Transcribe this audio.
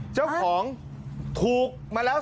เจ้าของถูกมาแล้ว